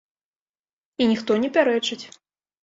І ніхто не пярэчыць.